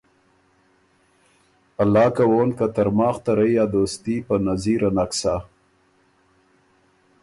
الله کوون که ترماخ ته رئ ا دوستي په نظیره نک سۀ